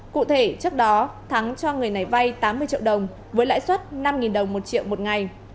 cụ thể trước đó thắng cho người này vay tám mươi triệu đồng với lãi suất năm đồng một triệu một ngày